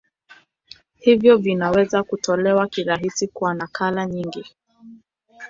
Hivyo vinaweza kutolewa kirahisi kwa nakala nyingi.